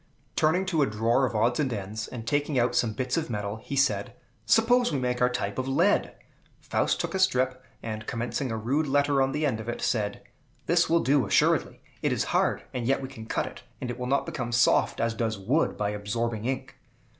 Turning to a drawer of odds and ends, and taking out some bits of metal, he said, "Suppose we make our type of lead!" Faust took up a strip, and, commencing a rude letter on the end of it, said, "This will do, assuredly. It is hard, and yet we can cut it, and it will not become soft, as does wood, by absorbing ink."